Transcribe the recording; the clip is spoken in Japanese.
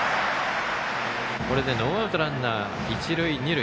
これでノーアウトランナー、一塁二塁。